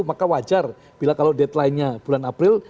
maka wajar bila kalau deadline nya bulan april